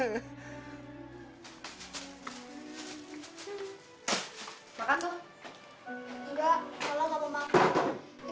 enggak kalau gak mau makan